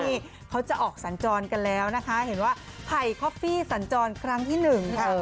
นี่เขาจะออกสัญจรกันแล้วนะคะเห็นว่าไผ่คอฟฟี่สัญจรครั้งที่หนึ่งค่ะ